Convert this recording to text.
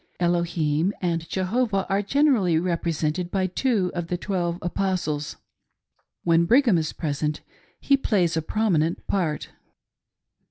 Elohim and Jehovah are gen erally represented by two of the Twelve Apostles. When Brigham is present he plays a pr6minent part.